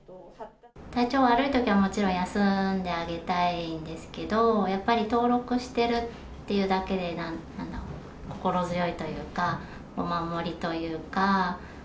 体調悪いときは、もちろん休んであげたいんですけど、やっぱり、登録してるっていうだけで、心強いというか、お守りというか。